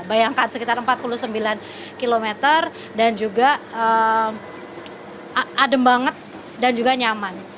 bayangkan sekitar empat puluh sembilan km dan juga adem banget dan juga nyaman